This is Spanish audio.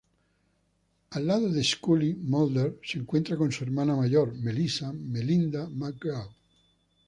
Al lado de Scully, Mulder se encuentra con su hermana mayor Melissa —Melinda McGraw—.